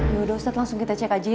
yaudah ustaz langsung kita cek aja ya